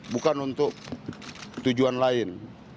bukan untuk tujuan lain